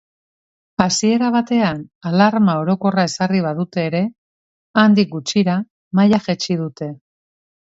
Hasiera batean alarma orokorra ezarri badute ere, handik gutxira maila jaitsi dute.